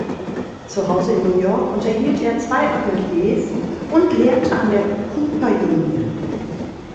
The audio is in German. Zuhause in New York unterhielt er zwei Ateliers und lehrte an der Cooper Union.